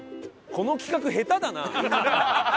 この企画下手だな！